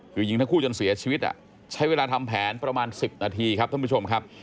คือยิงทั้งคู่จนเสียชีวิตใช้เวลาทำแผนประมาณ๑๐นาทีครับท่านผู้ชมครับ